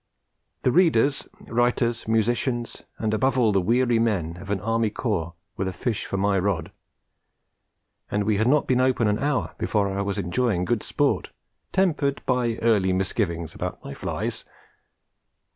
The readers, writers, musicians, and above all the weary men, of an Army Corps were the fish for my rod; and we had not been open an hour before I was enjoying good sport, tempered by early misgiving about my flies.